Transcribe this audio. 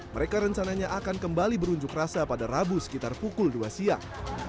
mereka rencananya akan kembali berunjuk rasa pada rabu sekitar pukul dua siang